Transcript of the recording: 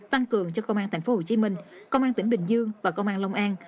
tăng cường cho công an tp hcm công an tỉnh bình dương và công an long an